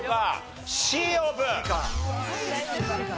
Ｃオープン！